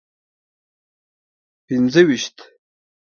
پنځه ویشت.